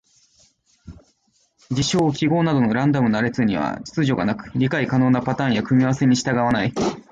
事象・記号などのランダムな列には秩序がなく、理解可能なパターンや組み合わせに従わない。